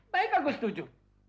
baik aku setuju